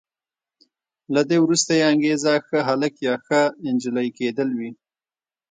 له دې وروسته یې انګېزه ښه هلک یا ښه انجلۍ کېدل وي.